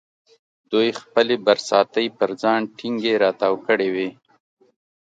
دوی خپلې برساتۍ پر ځان ټینګې را تاو کړې وې.